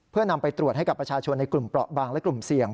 เพื่อนำไปตรวจให้กับประชาชนในกลุ่มเปราะบางและกลุ่มเสี่ยง